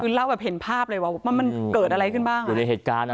คือเล่าแบบเห็นภาพเลยว่ามันเกิดอะไรขึ้นบ้างอยู่ในเหตุการณ์อ่ะ